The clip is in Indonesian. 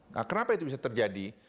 nah kenapa itu bisa terjadi